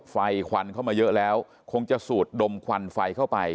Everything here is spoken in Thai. ควันเข้ามาเยอะแล้วคงจะสูดดมควันไฟเข้าไป